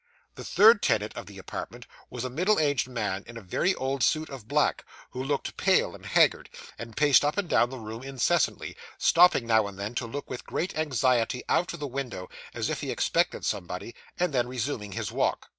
The third tenant of the apartment was a middle aged man in a very old suit of black, who looked pale and haggard, and paced up and down the room incessantly; stopping, now and then, to look with great anxiety out of the window as if he expected somebody, and then resuming his walk.